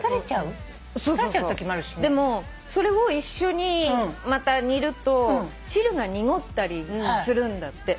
そうそうでもそれを一緒にまた煮ると汁が濁ったりするんだって。